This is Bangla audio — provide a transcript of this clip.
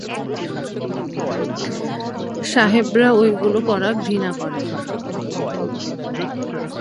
সাহেবরা ঐগুলো পরা ঘৃণা করে।